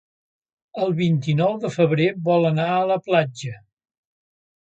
El vint-i-nou de febrer vol anar a la platja.